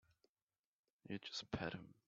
You just pat him.